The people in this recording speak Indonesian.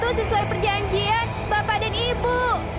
itu sesuai perjanjian bapak dan ibu